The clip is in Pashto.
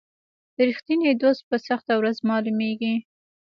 رښتینی دوست په سخته ورځ معلومیږي.